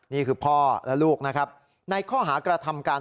นี่คือพ่อและลูกนะครับ